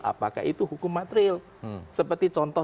apakah itu hukum materil seperti contoh